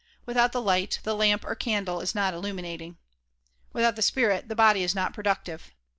Without the light, the lamp or candle is not illuminating. Without the spirit, the body is not productive.